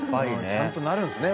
ちゃんとなるんですね